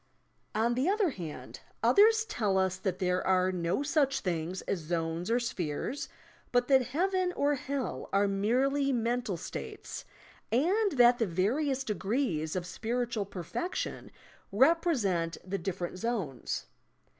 On the other hand, others tell us that there are no such things as zones or spheres, but that Heaven or Hell are merely mental states, and that the various de grees of spiritual perfection represent the different zones.